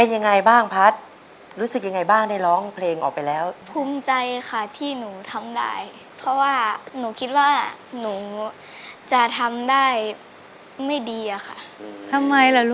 เออมันดีมากเลยค่ะนักใช่ไหมพี่ไอ้